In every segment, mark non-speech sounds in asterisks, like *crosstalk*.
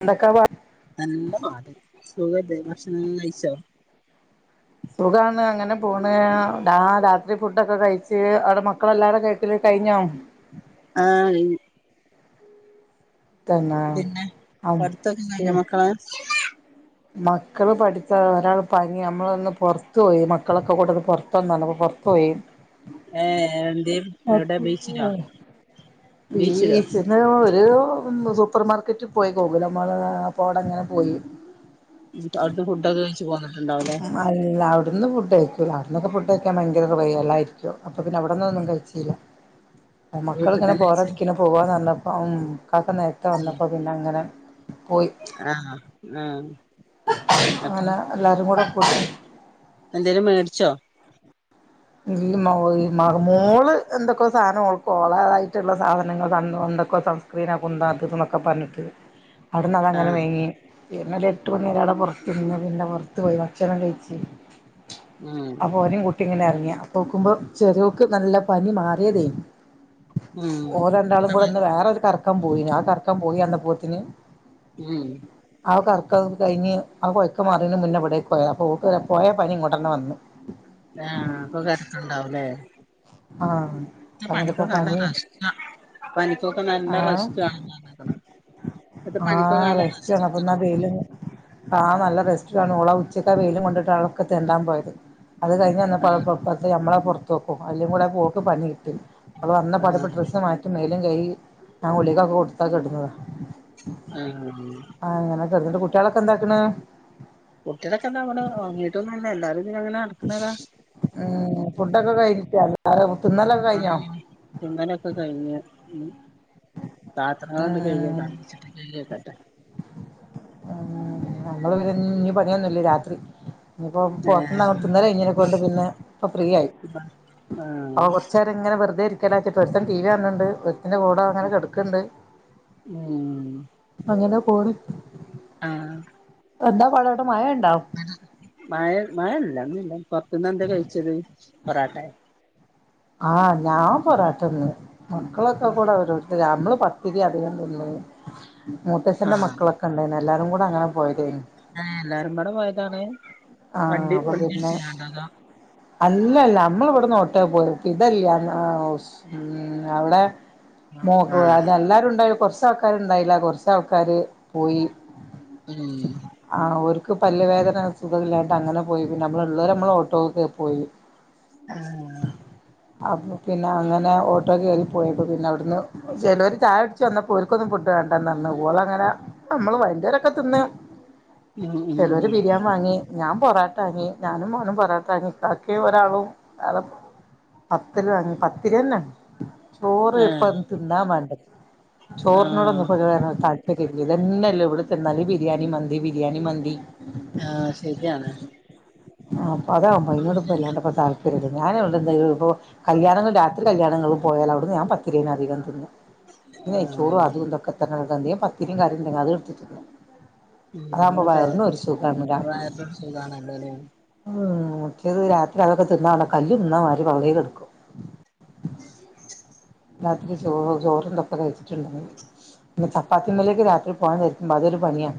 എന്തക്കവാ നല്ല പാട് സുഖല്ലേ ഭക്ഷണം കയ്ച്ചോ സുഖാണ് അങ്ങനെ പോണ് ആ രാത്രി ഫുഡൊക്കെ കഴിച്ച് അവിടെ മക്കളെല്ലാരും കഴിക്കല് കഴിഞ്ഞോ ആ കയ്ഞ്ഞ് പിന്നെ ആഹ് പടുത്തൊക്കെ പി കയ്ഞ്ഞോ മക്കളെ മക്കള് പഠിത്ത ഒരാള് പനിയാ നമ്മളൊന്ന് പൊർത്തോയി മക്കളൊക്കെ കൂടെ പൊർത്തുന്നാണ് അപ്പോ പൊർത്തോയി ഏ എന്തേ എവ്ടെ ബീച്ചിലാ *unintelligible* ഒരു സൂപ്പർമാർക്കറ്റിൽ പോയി ഗോകുലമ്മാളപ്പോവിടെങ്ങനെ പോയി അവിടെന്ന് ഫുഡൊക്കെ കഴിച്ച് പോന്നിട്ട്ണ്ട് അല്ല അവിടുന്ന് ഫുഡ്കഴിക്കൂല അവിടുന്നൊക്കെ ഫുഡ് കഴിക്കാൻ ഭയങ്കര റയല്ലായിരിക്കും അപ്പൊ പിന്നെ അവിടന്നൊന്നും കഴിച്ചില്ല അപ്പോ വീട്ടിൽ മക്കളിങ്ങനെ തന്നെ വെച്ച് ബോറടിക്കണ് പോവാന്ന് പറഞ്ഞപ്പ് ഉം ഇക്കാക്ക നേരത്തെ വന്നപ്പോ പിന്നെ അങ്ങനെ പോയി ആഹ് ആഹ് അപ്പൊ അങ്ങനെ എല്ലാരും കൂടെ *inaudible* എന്തേലും മേടിച്ചോ ഈ മോ മോള് എന്തൊക്ക സാധനം ഓൾക്ക് ഓളതായിട്ടുള്ള സാധനങ്ങൾ സൺ എന്തൊക്കോ സൺസ്ക്രീനോ കുന്തോ അതു ഇതുന്നൊക്കെ പറഞ്ഞിറ്റ് അവിടുന്ന് അതങ്ങനെ ആഹ് വേങ്ങി പിന്നെ ഒരു എട്ട് മണി വരെ അവിടെ പുറത്തിരുന്ന് പിന്നെ പുറത്തു പോയി ഭക്ഷണം കഴിച്ച് ഉം അപ്പൊ ഓനേം കൂട്ടി ഇങ്ങനെ എറങ്ങിയാ പക്കുമ്പോ ചെറിയവോക്ക് നല്ല പനി മാറിയതേ ഉം ഓരെണ്ടാലും കൂടെ ഒന്ന് വേറെ കറ കറക്കാൻ പോയി ആ കറക്കാ പോയി അന്ന പോത്തിന് ഉം അവക്ക്റക്ക കഴിഞ്ഞ് അവ കൊ ഒക്ക മാറിന്ന് മുന്നെവിട പോയ അപ്പോ ട്ട പോയ പനി ഇങ്ങോട്ടുന്നെ വന്നു ആ അപ്പ ണ്ടാവലേ ആ ഇ പനിക്കൊക്കണ നല്ല റസ്റ്റ് വേണേന്ന് പനിക്കൊക്കെ നല്ല ആഹ് റസ്റ്റ് വേണേന്ന് ഇപ്പോ പനിക്കൊണ ആഹ് നല്ല റെസ്റ്റാണ് റസ്റ്റ് അപ്പൊ എന്നാ വെയില് മ് ചച്ചിക്കകറിലും കൊണ്ടിട്ട് അളക്കെ തെണ്ടാൻ പോയത് അത് കഴിഞ്ഞ് വന്നപ്പോ ആഹ് *unintelligible* നമ്മളെ പുറത്ത് പോക്കും ആയെല്ലം കൂടെ ഓക്ക് പണി കിട്ടി അത് വന്ന പാടിപ്പ ആഹ് ഡ്രസ്സ് മാറ്റി മേല് കഴികി ഞാൻ ഗുളികക്കെ കൊടുത്താ കെടുന്നതാ ആ ആ ആ ആ എന്നിട്ട് കുട്ടികളൊക്കെ എന്താക്കുന്നാ? കുട്ടികളൊക്കെ എന്താ ഇവിടെ ഉറങ്ങീട്ടൊന്നുല്ല എല്ലാരും ഇതിലെ അങ്ങനെ നടക്കണതാ ഉം ഫുഡൊക്കെ കൈച്ചോ ആ ആ തിന്നലൊക്കെ കഴിഞ്ഞു പാത്രങ്ങള്ണ്ട് ഉം കഴുകിവെക്കാൻ കഴിക്കിവെക്കട്ടെ ഞമ്മള് പിന്നെ ഇനി പണിയൊന്നുല്ല രാത്രി ഇനിയിപ്പോ ഏഹ് പൊറത്തുന്ന് അങ്ങ് തിന്നല് കഴിഞ്ഞേനെ കൊണ്ട് പിന്നെ ഇപ്പോ ഫ്രീ ആയി ആഹ് അപ്പോ കൊറച്ച് നേരം ഇങ്ങനെ വെറുതെ ഇരിക്ക് *unintelligible* ഒരുത്തൻ ടി വി കാണണ്ട് ഒരുത്തന് ഫോൺ അങ്ങനെ കെടക്കണ്ട് ഉം അങ്ങനെ പോണ് ആ എന്താ വളടം മഴ മഴല്ല ഒന്നുല്ലപ്പം ഇന്നെന്താ കഴിച്ചത് പൊറോട്ടെ ആ ഞാൻ പൊറാട്ടന്ന് മക്കളൊക്കെ കൂടെ ഓരോരുത്തര് നമ്മള് പത്തിരി അധികം തിന്ന് മൂത്തച്ഛന്റെ ആഹ് മക്കളൊക്കെ ഉണ്ടായിന് എല്ലാരും കൂടെ അങ്ങനെ പോയതേനു ആ എല്ലാരും പാടെ പോയതാണ് ആഹ് വണ്ടി അപ്പൊ വണ്ടി പിന്നെ *unintelligible* അല്ലല്ല നമ്മൾ ഇവിടുന്ന് ഒട്ടേ പോയത് ഇതല്യാ അം ഒ ശ് ആ അവിടെ മോക്ക് ആഹ് വേഗം എല്ലാവാരും ഉണ്ടായി കുറച്ച് ആൾക്കാരുണ്ടായില്ല കുറച്ച് ആൾക്കാര് പോയി ഉം ആ ഓർക്ക് പല്ല് വേദന സുഖല്ലായിട്ട് അങ്ങനെ പോയി പിന്നെ നമ്മളള്ളവരെ നമ്മള് ഓട്ടോക്കെ പോയി ആ അപൊ പിന്നെ അങ്ങനെ ഓട്ടോ കേറി പോയപ്പോ പിന്നെ അവ്ട്ന്ന് ചെലവർ ചായൊട്ച്ച് വന്നപ്പോര്ക്കൊന്നും ഫുഡ് വേണ്ടന്നറിഞ്ഞു ഓള് അങ്ങനെ നമ്മള് വല്യാരൊക്കെ തിന്നു ഉം ഉം ഉം ചിലര് ബിരിയാം വാങ്ങി ഞാൻ പൊറാട്ടാങ്ങി ഞാനും മോനും പൊറട്ടാങ്ങി ബാക്കി ഒരാളും വ പത്ത് ര് പത്തിരെന്നെ ചോറ് പ്പൊ ആഹ് തിന്നാൻ വേണ്ടത് ചോറിനോടൊന്നും ആഹ് ഇപ്പോ താ ഇതന്നല്ലോള്ള് ഇവിടെ തിന്നാല് ബിരിയാണി മന്തി ബിരിയാണി മന്തി ആ ശെര്യാണ് ആഹ് അതാപ്പോ അയ്നോടൊപ്പല്ലാണ്ടെപ്പോ താ പര്യല്ല ഞാനെടെന്തെങ്കിലും പ്പോ കല്യാണങ്ങൾ രാത്രി കല്യാണങ്ങൾക്ക് പോയാലും അവിടുന്ന് ഞാൻ പത്തിരീന്നെ ഞാൻ അധികം തിന്നും നെയ്‌ച്ചോറും ആഹ് അതുതൊക്കെ തന്നെ അധികം പതിരിം കറിയെന്നെ *unintelligible* *unintelligible* വയറിനൊരു സുഗാണല്ലോ ലേ നോക്യത് രാത്രി അതൊക്കെ തിന്നകാണാ കല്ല് തിന്ന മാ പകുതീടെടുക്കും രാത്രി ചോറും ചോറ് ന്ന്പ്പ ടേസ്റ്റ്ണ്ട് പിന്നെ ചപ്പാത്തിള്ളോല്ക് *unintelligible* അതൊരു പണിയാ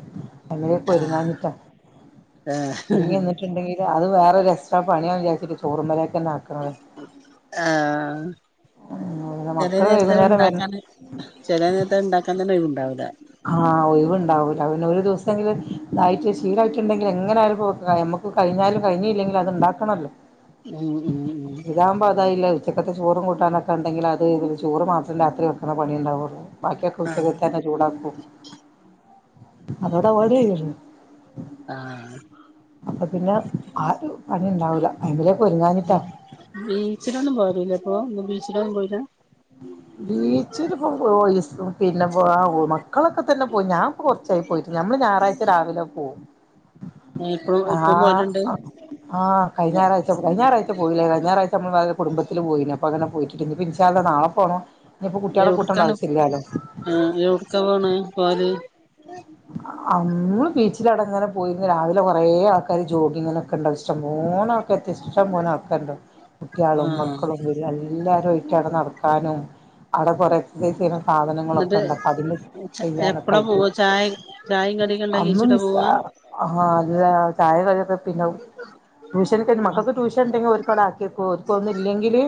അല്ലേ പോ ആഹ് ഒര്ങ്ങാഞ്ഞിട്ടാ ആഹ് ഒരുങ്ങി നിന്ന്ട്ട്ണ്ടെങ്കില് അത് വേറൊരെക്സ്ട്രാ പണിയാവുന്ന് വിചാരിച്ചിട്ട് ചോറ്മ്മലേക്കെന്നെ ആഹ് പിന്നെ ചേലെ മക്കള് നേർതത് വൈകുന്നേരം വരണം ണ്ടാക്കാൻ ചെല നേരത്തത് ണ്ടാക്കാൻ തന്നൊഴിവ് ണ്ടാവൂല. വ്ണ്ടവൂല പിന്നെ ഒരു ദൗസെങ്കിലും തായിട്ട് ശീലായിട്ട് ണ്ടെങ്കിൽ ങ്ങനായാലും കൊട്ക്കണം ഞമ്മക്ക് കയിഞ്ഞാലും കൈഞ്ഞീലെങ്കിലും അത്ണ്ടാക്കണല്ലോ ഉം ഉം ഉം ഇതാവുമ്പോ അതായിലഹ് ഉച്ചക്കത്തെ ചോറും കൂട്ടാനൊക്കെണ്ടങ്കിൽ അത് ഇത്ചോറ് മാത്രം രാത്രി വെക്കണ പണ്യേ ണ്ടാവൊള്ളൂ ബാക്ക്യോക്കെ ഉച്ചക്കത്തെന്നെ ചൂടാക്കും. അതോടരുപാട്യയിഞ്ഞല്ലോ ആഹ് അപ്പൊ പിന്നെ ആ രു അത്ണ്ടാവൂല എങ്കിൽ ഒര്ങ്ങാഞ്ഞിട്ട ബീച്ചിലൊന്നും പോവലൂല്ലേ പ്പോ ന്ന് ബീച്ചിലൊന്നും പോയില ബീച്ചില് *unintelligible* പിന്നെ പോവ ഒ മക്കളൊക്കെ തന്നെ പോയി ഞാപ്പ കൊർച്ചായി പോയിട്ട് ഞമ്മൾ ഞാറാഴ്ച രാവിലെ പോവും. ഇപ്പളും ഇപ്പം ആഹ് പോവല്ണ്ട് അ ആഹ് കഴിഞ്ഞ ഞായറാഴ്ച പോയില കഴിഞ്ഞ ഞായറാഴ്ച കുടുംബത്തില് പോയീനി അപ്പൊ ങ്ങനെ പോയിറ്റ്ണ്ട് ഞ്പ്പോ ഇന്ഷാ അല്ലാഹ് നാളെ പോടാ എടുക്കാൻ പോവാണ് *inaudible* അങ്ങ് ബീച്ചിലാടെങ്ങനെ പോയി ന്ന രാവിലെ കൊറേ ആൾക്കാർ ജോഗിങ് നൊക്കെ ണ്ടാകും ഇഷ്ട്ടംപോലെ ഇഷ്ടം പോലെ ഒക്കണ്ട് കുട്ടികളും ആഹ് മക്കളും എല്ലാരും *unintelligible* നടക്കാനും അവിടെ കുറേ - വി *unintelligible* സാധനങ്ങളൊക്കെ എന്നിട്ട് ഉണ്ട് അപ്പൊ അതില് ചെയ്യാനൊക്കെ എപ്പളാ ആയിട്ട് പോവാ ചായ ചായിം കടിയൊക്കെ ഇണ്ടാക്കി വെച്ചിട്ടാ അമ്മസ് പോവാ ആ അത് തായ കൊക്കെ പിന്നെ ട്യൂഷന മക്കൾക്ക് ട്യൂഷൻ ഉണ്ടെങ്കിൽ ഒരു കട ആക്കിക്കും ഒരുക്ക ഒന്നും ഇില്ലെങ്കില്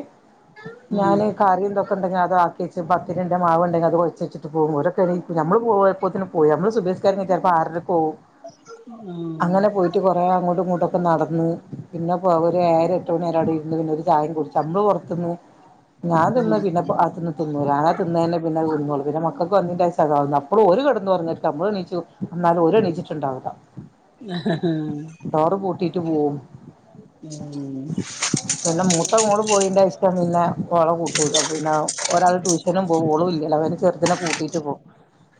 ഉം ഞാന് കാര്യംന്തൊക്ക ഉണ്ടെിൽ അത ആക്കി പത്തിന്ുണ്ട് മാവ ഉണ്ടെങ്കിൽത് വെച്ചി് പോകും ഓര ക നമ്മള് പോ പതിനും എമ്മോ സുഭേഷസ്ക ചപ്പ ആർക്കോ ഉം അങ്ങനെ പോയിട്ട് കൊറെ അങ്ങോട്ടും ഇങ്ങോട്ട നടന്നന്ന് പിന്നെ പോ രം എട്ടുുമണിര അവിടെ ഇന്ന് പിന്നെ ഒരു ചായം കുടിച്ചു നമ്മള് പുറത്തന്ന് ഞാൻ തിന്ന പിന്ന ആ തിന്ന് തിന്നു ാനാ തിന്നെ പിന്നെ പിന്നെ മക്കൾക്ക് വന്നി അ ഒരുട ന്ന് പറഞ്ഞിട്ട് നമ്മള് നീ എന്നാും ഓരോ നീച്ചിട്ടുണ്ടാവുക ആഹ് ഹ് ഹ് പോകും ഇട്ടിട്ടു പിന്നെ ആഹ് മൂത്ത മൂള് പോയിന്റെ ഇഷ്ടം പിന്നെ കൊറേ കൂട്ടക്ക പിന്നെ ഒരാൾ ട്യൂഷനും പോോളും ഇല്ലോ അവെ ചെറു അതിനെ കൂട്ടീട്ട് പോവും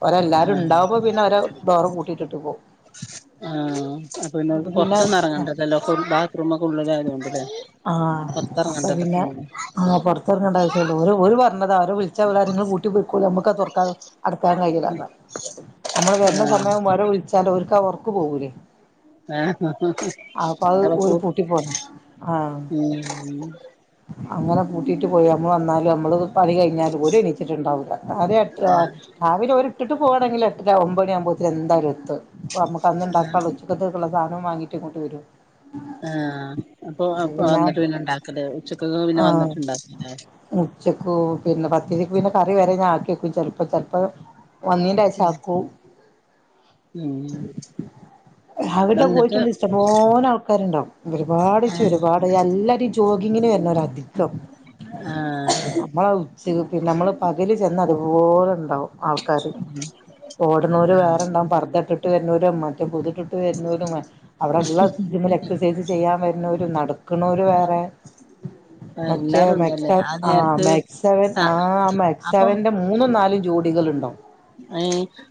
ഒരല്ല ഇണ്ടാവുമ്പൊ പിന്നെ ഓര് ഡോറ് പൂട്ടിട്ട് പോവും ആഹ് പിന്നോൽക്ക് അപ്പൊ പിന്നെ പൊറത്തൊന്നും എറങ്ങണ്ടല്ലല്ലോ ബാത്റൂമൊക്കെ ഉള്ളിലായതുകൊണ്ടല്ലേ ആഹ് അപ്പൊ പൊറത്തെറങ്ങണ്ടല്ലോ പിന്നെ ഇപ്പങ്ങനെ പൊറത്തെങ്ങണ്ട ആവശ്യ ളളു ഓല് ഒ എന്നത് അവരെ വിളിച്ചാ അവളറിം ഇങ്ങള് പൂട്ടി പെയ്ക്കോളിം നമുക്കത് തൊറക് ക്കാലോ അടക്കാൻ കഴിയൂലാന്നാ അമ്മള് വരുന്ന സമയം *unintelligible* വിളിച് ചെലോൽക്ക ഉറക്ക് പോവൂലേ ആ *unintelligible* അപ്പൊ അത് അവളപ്പോ ഓര് പൂട്ടി പോന്ന് ആഹ് ഉം ഉം അങ്ങനെ പൂട്ടീട്ട് പോയി അമ്മൾ വന്നാല് അമ്മള് പണി കഴിഞ്ഞാല് ഓല് എനിച്ചിട്ടുണ്ടാവൂല *unintelligible* രാവിലെ ഓല് ഇട്ട് പോവാണെങ്കില് എട്ടര ഒമ്പണിയാവുമ്പോത്തിന് എന്തായാലും എത്തും അപ്പൊ അമ്മക്കക്കന്ന്ണ്ടാക്കാള്ള ഉച്ചക്കത്തേക്ക്ള്ള സാധനം വാങ്ങീട്ട് ഇങ്ങോട്ട് വരും ആഹ് അപ്പൊ അപ്പൊ വന്നിട്ട് പിന്നെ ഇണ്ടാക്കല് ഉച്ചക്കൊ *unintelligible* പിന്നെ ആഹ് വന്നിട്ട്ണ്ടാക്കുലേ ഉച്ചക്ക് പിന്നെ പത്തീതിക്ക് പിന്നെ കറി വരെ ഞാൻ ആക്ക്യേക്കും ചെലപ്പോ ചെലപ്പോ വന്നീൻ്റെഷാക്കും ഉം അവിടെ വന്നിട്ട് പോയിട്ടുണ്ടെ ഇസ്ടം പോലെ ആൾക്കാര്ണ്ടാവും ഒരുപാട് ച്ച ഏഹ് ഒരുപാട് എല്ലാരും ഈ ച് ജോഗിങ്ങിന് വര്ണോരാ അധി കം ആഹ് നമ്മള ഉച്ച് പിന്നെമ്മള് പകല് ചെന്ന അത്പോലെ ഇണ്ടാവും കറി ഓട്നോല് വേറെണ്ടാവും പർദ്ദ ഇട്ട് ട്ട് വെര്നോരും മറ്റ പുതി ഇട്ടിട്ട് വര്ണോ ലും അവിടെള്ള ജിമ്മിൽ എക്സസൈസ് ചെയ്യാൻ വര്നോരും നട ക്ക്ണോല് വേറെ മറ്റേ എല്ലാരും ഉണ്ടല്ലേ മെക്ക്സെ ആ നേരത്ത് മെക്ക് സെവൻ ആ ആഹ് മെക്ക് സെവൻ്റെ മൂന്നും നാല് ജോടികള്ണ്ടോ ഏ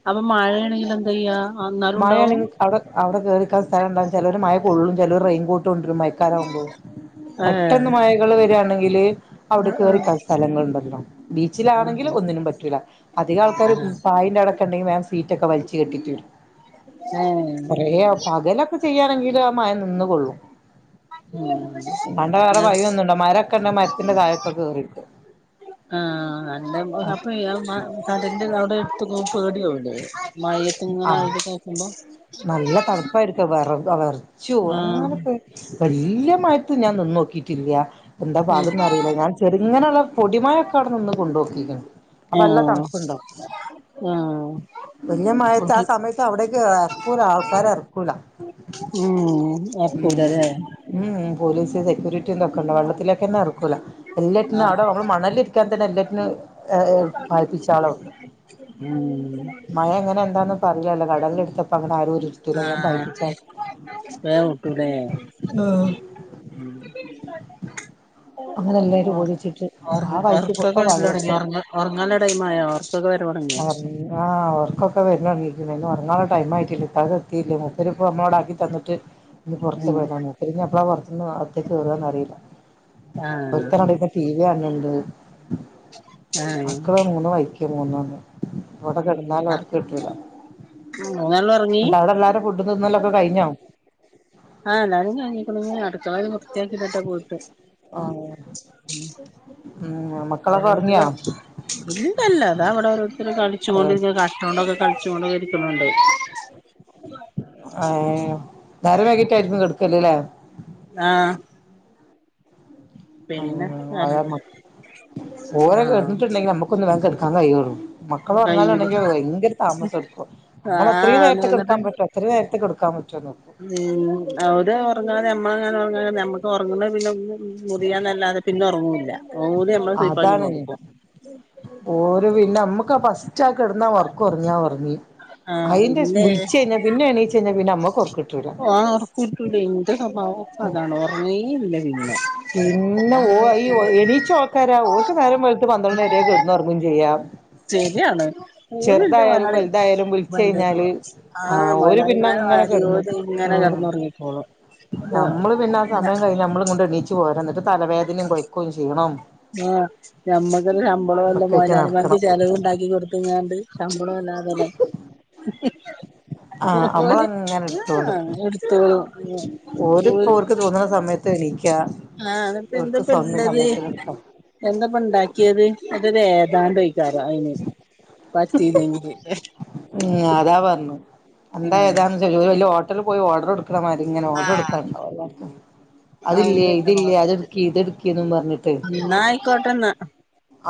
അപ്പൊ മഴ ആണെങ്കിലന്തയ്യാ മയ ആണെങ്കി അടെ അവടെ കേറിക്കാൻ സ്ഥലം ഉണ്ടാവു ചെലോര് മഴ കൊള്ളും പേലോര് റെയിൻകോ ട്ടൊണ്ട്രും മയക്കാലാവുമ്പോ ഏഹ് പെട്ടെന്ന് മയകൾ വെരാണെ ങ്കില് അവിടെ കേറിക്കാ സ്ഥലങ്ങള്ണ്ടല്ലോ ബീച്ചിലാണെങ്കില് ആഹ് ഒന്നിനും പറ്റൂല അധികം ആൾക്കാര് ആഹ് പായിന്റെ അവടെ ക്കെണ്ടെങ്കി വേം സീറ്റൊക്കെ വലിച്ച് കെട്ടിത്തരും ആഹ് പറയാ പകലൊക്കെ ചെയ്യാണെങ്കി ഗ്രമായ നിന്ന കൊള്ളും പണ്ട വേറെ പയൊന്നുംണ്ടോ മരൊക്കെണ്ട മരത്തിന്റെ തായൊക്കെ കേറിയിട്ട് ആഹ എ്റെ അപ്പൊ കടിന്റെ അവിടെ എടുത്തക്കോ *unintelligible* പേടിയല്ല ആഹ നല്ല തണുപ്പായിരിക്ക വറ വിറച്ചു അങ്ങനെ ആഹ് വ യിട്ട് ഞാൻ നിന്ന നോക്കിയിട്ടില്ല എന്താ പാടന്ന അറിയില്ല ഞാൻ ചെറുങ്ങനെയുള്ള പൊടിമയൊക്കെ അവിന്ന് കൊണ്ടുപകും *unintelligible* ആഹ ആഹ *unintelligible* ട്ട് ആ സമയത്ത് അവിടക്ക് ഇറക്കൂല ആൾക്കാര ഇറക്കൂല ഉം നടക്കൂലല്ലേ പോലീസ് സെയൂരിറ്റി ണ്ട വെള്ളത്തിലേക്ക തന്നെ ഇറക്കൂല എല്ലാറ്റന്ന്ും ആഹ് അവിടെ നമ്മള് മണലിരിക്കാൻ തന്നെ എല്ലാറ്റിനും ർ പായിപ്പിച്ച ആളണ് ഉം എന്താന്ന പറ കടലടുപ്പ അനെ ആേട്ടർക്കൊക്കെ അങ്ങനെ എല്ലാരും ഓടിച്ചിട്ട് ആ വഴിക്ക് ഇപ്പൊ വരടങ്ങി വെള്ളത്തി ഉങ്ങ ഉറങ്ങാന ഇടങ്ങമായ അവർക്കൊക്കെ വര തുടങ്ങിയോ *unintelligible* ഒക്കെ വരുന്നന്ന് ഒറാെ ടൈം ആയിട്ടില്ല ഇത്തത് എത്തിയില്ലേ മുത്തരിപ്പ നമ്മോടാക്കി തന്നിട്ട് ഇന്ന് പുറത്ത ഉം പോയിട്ടാ നക്കരിഞ്ഞ അപ്പളാ പുറത്തുനിന്ന് അത്തേക്ക് കയറന്ന് അറിയില്ല ആഹ് ഒരുത്ത കുന്ന ടി വി കൺഡ് ആഹ് അക്കള മൂന്ന് വായിക്ക *unintelligible* ഇവിടെ ഉം കിടന്നാലും ന നല്ലോം ഒർങ്ങി *unintelligible* *unintelligible* ക്കെ കഴിഞ്ഞോ *unintelligible* അടുത്ത വി ഉം *unintelligible* *unintelligible* മക്കളൊക്കെ ഓരോരുത്തര ഉറങ്ങിയോ ഇന്തല്ല അതാ അവിടെ ഓരോരുത്തര കളിച്ച കൊണ്ട് കട്ട കൊണ്ടൊക്കെ *unintelligible* *unintelligible* *unintelligible* ട്ടായിരിക്കും കടുക്കല്ലല്ലേ ആ *unintelligible* ആഹ് ഇിട്ടുണ്ടെങ്കിൽ നമ്മുക്കൊന്ന് *unintelligible* *unintelligible* മക്കൾ കയ്യില് പററങ്ങാലുണ്ടെങ്കിൽ ഭയങ്കര താമസംടുക്കോ ആഹ് നമ്മളെത്രയും നേരത്തെ കൊടുക്കാൻ പറ്റോ എത്രയും നേരത്തെ കൊടുക്ക *unintelligible* *unintelligible* ഉറങ്ങാതെ അമ്മങ്ങൻ ഉറങ്ങാ നമുക്ക് ഒറങ്ങണ പിന്നെ മുറിയാന്നല്ലാതെ പിന്നെ ഒറങ്ങൂല്ല ഓല് നമ്മളെ അതാണ് സുയ്പ്പാക്കിക്കൊണ്ട്ക്കും ഓര് പിന്നെ അമ്മുക്കാ *unintelligible* ഉച്ച കിടന്നാ ഒറക്കൊറങ്ങിയഒറങ്ങി ആഹ് അയ്ന്റെ ശേ ഇല്ലേ വിളിച്ച കഴിഞ്ഞാ പിന്നെ എണീച്ച കഴിഞ്ഞാ പിന്നെ അമ്മക്കൊർക്കിട്ടൂല സ്വഭാവൊക്കെ അതാണ് ഒറങ്ങേ ഇല്ല പിന്നെ പിന്നെ ഓ ഞാൻ ഈ എണീച്ച ഓക്കാരാ ഓർക്ക് നേരം വെളു പന്ത്രണ്ട് വരെ കിടന്ന് ഒറങ്ങും ചെയ്യാം. ശെരിയാണ് ചെറുതായാലും വലുതായാലും വിളിച്ച് കഴിഞ്ഞാല് *unintelligible* ആ ഓര് പിന്നെ അങ്ങനെ മൊയലാളിമാരി കിടന്നു ഓലിങ്ങനെ ഉം കിടന്നുറങ്ങിക്കോളും നമ്മള് പിന്നെ ആ സമയം കഴിഞ്ഞ് *unintelligible* *unintelligible* തലവേദനയും കൊഴക്കും ഷീണോം ആഞമ്മക്കല്ല ശമ്പളം വല്ല ഒക്കെയിട്ട് മുതലാളിമാർക്ക് നടക്കണം ചെലവ് ഉണ്ടാക്കി കൊടുത്തങ്ങാണ്ട് ശമ്പളം അല്ലാതെല്ലെ ആ നമ്മളങ്ങനെ എടുത്തോണ്ട്ക്കണം ഓരിപ്പോ *unintelligible* ഓർക്ക് *unintelligible* തോന്നുന്ന സമയത്ത് എണീക്ക ഓർക്ക് ആപ്പന്താപ്പ സ്വന്തം ഇള്ളത് സമയത്ത് കിടക്കാം എന്താപ്പ ഉണ്ടാക്കിയത് അത് *unintelligible* അയിന് പറ്റില്ലെങ്കില് ഉം അതാ പറഞ്ഞു എന്താ ഏതാ വലിയഓട്ട ഏടെലും പോയി ഓഡർ എടുക്കും മക്കൾമാര് ഇങ്ങനെ ഓർഡർ ആഹ് എടുക്കാണ്ടാവല്ലാക്കും അതില്ലേ അങ്ങനെയൊക്കെയാണ് ഇതില്ലേ പറഞ്ഞത് അതെടുക്കി ഇതെടുക്കി എന്നും പറഞ്ഞിട്ട് എന്നാ ആയിക്കോട്ടെന്നാ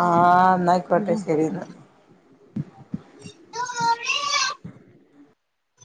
ആ എന്നാ ആയിക്കോട്ടെ ശെ പി *inaudible* *unintelligible*